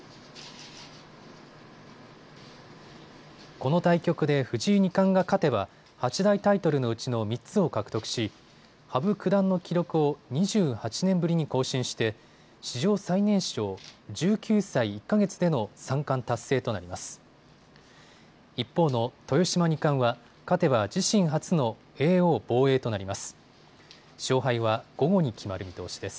この対局で藤井二冠が勝てば八大タイトルのうちの３つを獲得し羽生九段の記録を２８年ぶりに更新して史上最年少１９歳１か月での三冠達成となります。